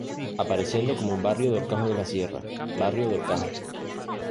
Apareciendo como un barrio de Horcajo de la Sierra, barrio de Horcajo.